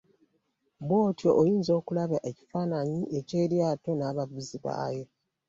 Bw'otyo oyinza okulaba ekifaananyi eky'eryato n'abavuzi baalyo.